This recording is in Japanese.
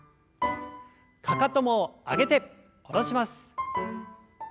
かかとも上げて下ろします。